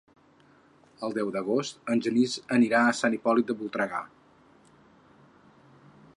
El deu d'agost en Genís anirà a Sant Hipòlit de Voltregà.